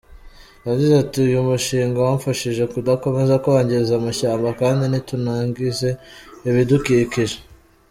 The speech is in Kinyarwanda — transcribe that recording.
Yagize ati: ”Uyu mushinga wanfashije kudakomeza kwangiza amashyamba, kandi ntitunangize ibidukikikije.